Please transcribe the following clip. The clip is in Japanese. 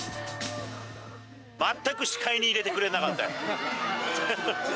全く視界に入れてくれなかったよ。